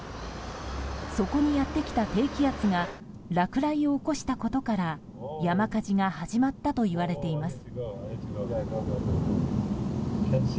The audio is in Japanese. そこにやってきた低気圧が落雷を起こしたことから山火事が始まったといわれています。